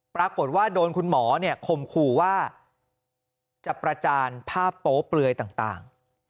ปรากฏว่าโดนคุณหมอเนี่ยข่มขู่ว่าจะประจานภาพโป๊เปลือยต่าง